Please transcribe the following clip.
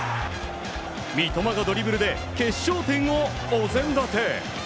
三笘がドリブルで決勝点をお膳立て！